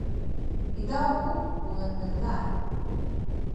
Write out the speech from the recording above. izaw ku puenelay